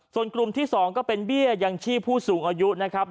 ส่วนกลุ่มที่๒ก็เป็นเบี้ยยังชีพผู้สูงอายุนะครับ